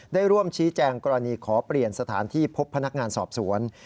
ได้ร่วมชี้แจงกรณีขอเปลี่ยนสถานที่พบพนักงานสอบสวน